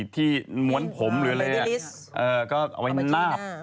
สรุปเป็นยาบ้าง